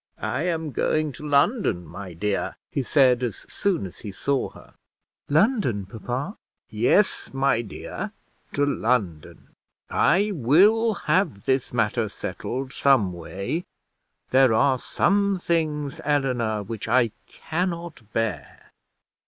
"I am going to London, my dear," he said as soon as he saw her. "London, papa!" "Yes, my dear, to London; I will have this matter settled some way; there are some things, Eleanor, which I cannot bear."